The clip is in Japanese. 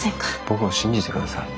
僕を信じてください。